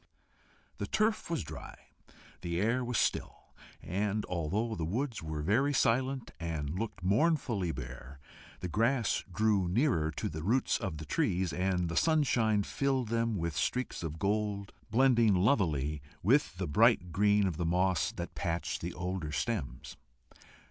The turf was dry, the air was still, and although the woods were very silent, and looked mournfully bare, the grass drew nearer to the roots of the trees, and the sunshine filled them with streaks of gold, blending lovelily with the bright green of the moss that patched the older stems.